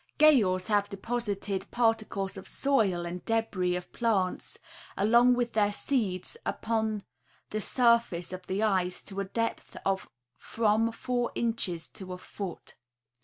Gales have deposited par ticles of soil and débris of plants, along with their seeds, upon the surface of the ice to a depth of from four inches to a foot.